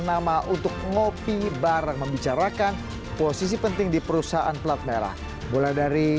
nama untuk ngopi bareng membicarakan posisi penting di perusahaan pelat merah mulai dari